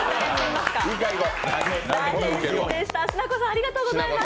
ありがとうございます。